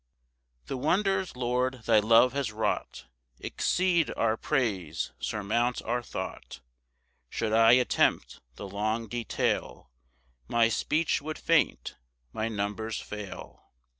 1 The wonders, Lord, thy love has wrought, Exceed our praise, surmount our thought; Should I attempt the long detail, My speech would faint, my numbers fail.